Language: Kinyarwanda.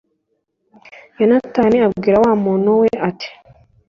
yonatani abwira wa muntu we, ati